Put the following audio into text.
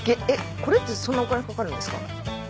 これってそんなお金かかるんですか？